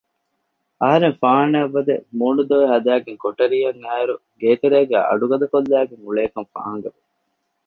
އަހަރެން ފާހާނާއަށްވަދެ މޫނު ދޮވެ ހަދައިގެން ކޮޓަރިއަށް އައިއިރު ގޭތެރޭގައި އަޑުގަދަކޮށްލައިގެން އުޅޭކަން ފާހަގަވި